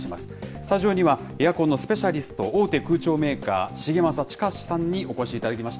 スタジオにはエアコンのスペシャリスト、大手空調メーカー、重政周之さんにお越しいただきました。